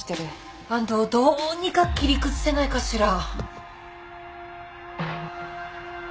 安藤をどうにか切り崩せないかしら。